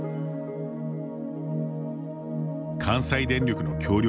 関西電力の協力